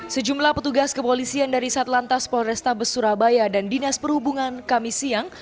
sejumlah petugas kepolisian dari satlantas polrestabes surabaya dan dinas perhubungan kami siang